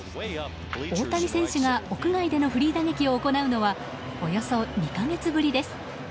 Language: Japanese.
大谷選手が屋外でのフリー打撃を行うのはおよそ２か月ぶりです。